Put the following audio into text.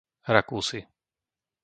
Rakúsy